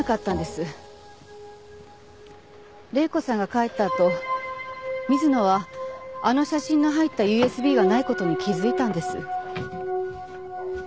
礼子さんが帰ったあと水野はあの写真の入ったＵＳＢがない事に気づいたんです。